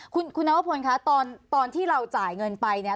คุณคุณนัวพลค่ะตอนตอนที่เราจ่ายเงินไปเนี้ย